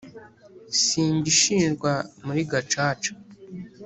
simbishinjwa muri gacaca